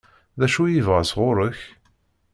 D acu i yebɣa sɣur-k?